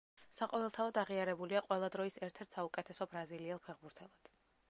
საყოველთაოდ აღიარებულია ყველა დროის ერთ-ერთ საუკეთესო ბრაზილიელ ფეხბურთელად.